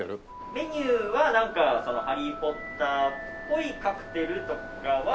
メニューはなんか『ハリー・ポッター』っぽいカクテルとかは。